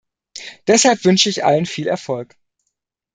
Deshalb wünsche ich allen viel Erfolg.